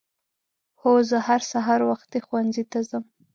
هو زه هر سهار وختي ښؤونځي ته ځم.